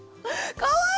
かわいい！